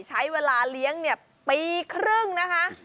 ใช้เวลาเลี้ยงปีครึ่งนะคะ